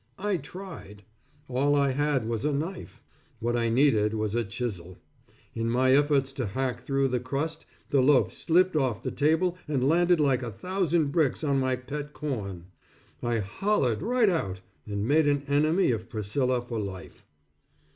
I tried. All I had was a knife. What I needed was a chisel. In my efforts to hack through the crust, the loaf slipped off the table and landed like a thousand bricks on my pet corn. I hollered right out, and made an enemy of Priscilla for life.